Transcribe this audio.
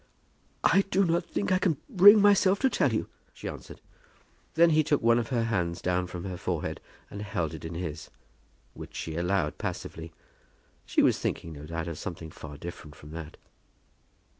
"I do not think I can bring myself to tell you," she answered. Then he took one of her hands down from her forehead and held it in his, which she allowed passively. She was thinking, no doubt, of something far different from that.